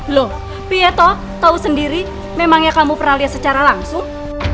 loh pieto tahu sendiri memang yang kamu pernah lihat secara langsung